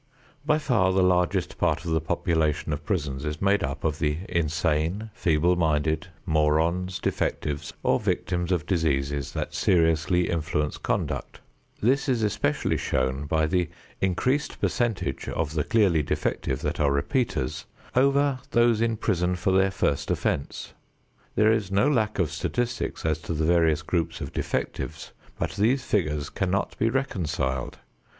By far the largest part of the population of prisons is made up of the insane, feeble minded, morons, defectives or victims of diseases that seriously influence conduct. This is especially shown by the increased percentage of the clearly defective that are repeaters, over those in prison for their first offense. There is no lack of statistics as to the various groups of defectives, but these figures cannot be reconciled.